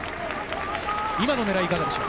今の狙いは、いかがでしょう。